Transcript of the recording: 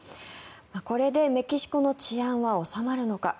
これでメキシコの治安は収まるのか。